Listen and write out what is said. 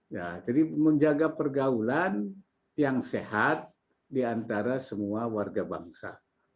jadi menjaga pergaulan yang sehat di antara semua warga bangsa